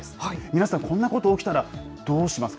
皆さん、こんなこと起きたら、どうしますか？